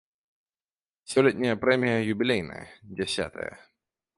Сёлетняя прэмія юбілейная, дзясятая.